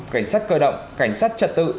cảnh sát cơ động cảnh sát trật tự